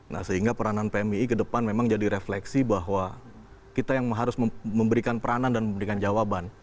nah sehingga peranan pmi ke depan memang jadi refleksi bahwa kita yang harus memberikan peranan dan memberikan jawaban